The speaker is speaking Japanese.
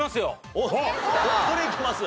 どれいきます？